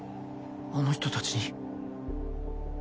あの人たちに］